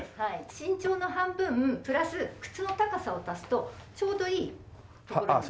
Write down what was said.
身長の半分プラス靴の高さを足すとちょうどいいところになります。